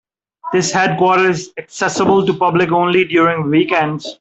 This headquarter is accessible to public only during weekends.